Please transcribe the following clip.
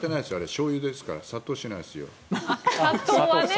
しょうゆですからさとうしないですよ。